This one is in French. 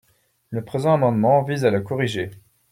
Le présent amendement vise à le corriger.